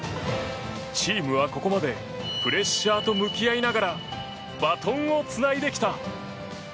チームはここまでプレッシャーと向き合いながらバトンをつないできた。